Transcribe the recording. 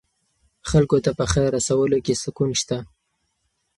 خلکو ته په خیر رسولو کې سکون شته.